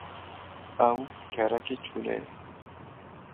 Ew kerekî çolê ye